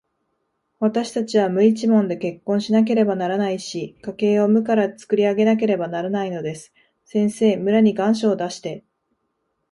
わたしたちは無一文で結婚しなければならないし、家計を無からつくり上げなければならないのです。先生、村に願書を出して、